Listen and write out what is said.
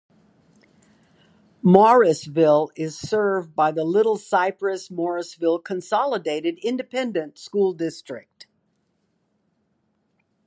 Mauriceville is served by the Little Cypress-Mauriceville Consolidated Independent School District.